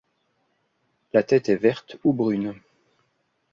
La tête est verte ou brune.